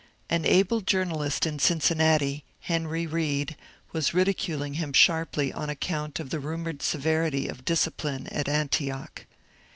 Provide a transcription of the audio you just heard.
An able journalist in Cincinnati, Henry Reed, was ridi culing him sharply on account of the rumoured severity of discipline at Antioch.